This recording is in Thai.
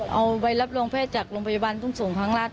เอาใบรับโรงพเมฆจากโรงพยาบาลต้นส่งทางรหะตรุศ